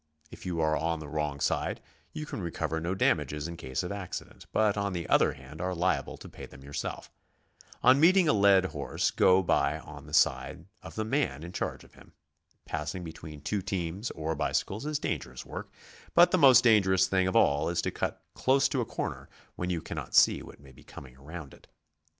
If you are on the wrong side, you can recover no damages in case of accident, but on the other hand are liable to pay them yourself. On meeting a led horse, go by on the side of the man in charge of him. Passing between two teams or bicycles is dangerous work, but the most dangerous thing of all is to cut close to a corner when you cannot see what may be coming around it.